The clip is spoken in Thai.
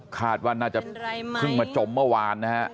คาดว่าน่าจะเพิ่งมาจมเมื่อวานนะฮะ